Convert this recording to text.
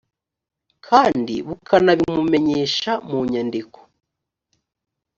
kandi bukanabimumenyesha mu nyandiko